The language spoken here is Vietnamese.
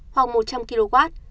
hoặc một trăm linh kw